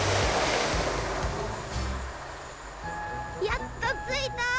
やっとついた。